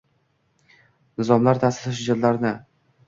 nizomlar, ta’sis hujjatlari